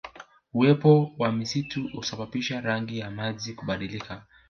Uwepo wa misitu husababisha rangi ya maji kubadilika